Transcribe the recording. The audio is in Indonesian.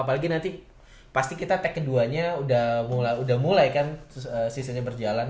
apalagi nanti pasti kita tag keduanya udah mulai kan seasonnya berjalan